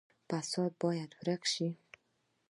فساد باید ورک شي